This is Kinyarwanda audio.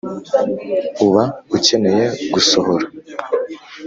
uba ukeneye gusohora